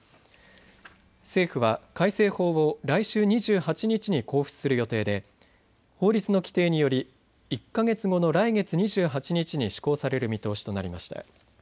政府は改正法を来週２８日に公布する予定で法律の規定により１か月後の来月２８日に施行される見通しとなりました。